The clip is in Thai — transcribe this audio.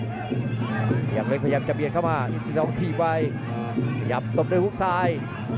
พยายามเล็กพยายามจะเปลี่ยนเข้ามาอินสินองขีบไวพยายามตบด้วยหุ้กซ้าย